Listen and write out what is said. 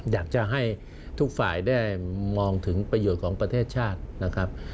อยากจะให้ทุกฝ่ายได้มองถึงประโยชน์ของประเทศชาตินะครับ